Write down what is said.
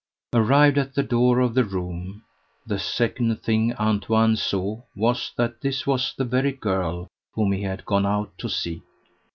Arrived at the door of the room, the second thing Antoine saw was that this was the very girl whom he had gone out to seek.